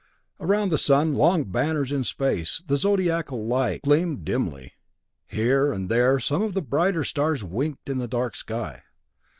Around the sun, long banners in space, the Zodiacal light gleamed dimly. Here and there some of the brighter stars winked in the dark sky.